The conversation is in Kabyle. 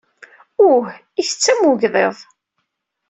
Uh, ittett am wegḍiḍ.